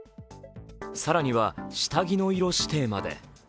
更には下着の色指定まで。